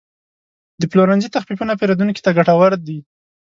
د پلورنځي تخفیفونه پیرودونکو ته ګټور دي.